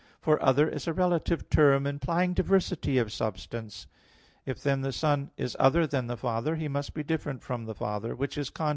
For "other" is a relative term implying diversity of substance. If, then, the Son is other than the Father, He must be different from the Father; which is contrary to what Augustine says (De Trin.